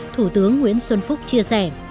thủ tướng nguyễn xuân phúc chia sẻ